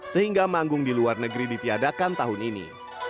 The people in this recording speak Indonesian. sehingga manggung di luar negeri ditiadakan tahun ini